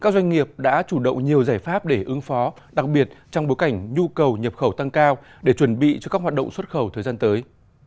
các doanh nghiệp đã chủ động nhiều giải pháp để ứng phó đặc biệt trong bối cảnh nhu cầu nhập khẩu tăng cao để chuẩn bị cho các hoạt động xuất khẩu thời gian tới